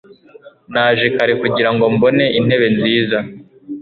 Naje kare kugirango mbone intebe nziza